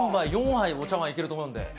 ３杯、４杯、お茶わんいけると思うんで。